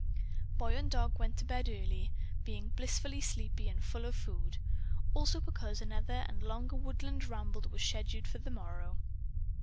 Boy and dog went to bed early, being blissfully sleepy and full of food also because another and longer woodland ramble was scheduled for the morrow.